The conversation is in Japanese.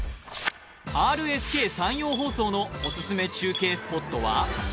ＲＳＫ山陽放送のおすすめ中継スポットは？